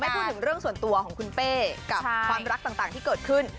พูดถึงเรื่องส่วนตัวของคุณเป้กับความรักต่างที่เกิดขึ้น